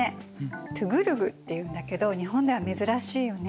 トゥグルグっていうんだけど日本では珍しいよね。